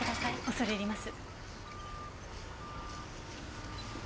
恐れ入ります。